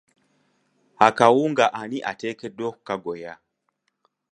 Akawunga ani ateekeddwa okukagoya?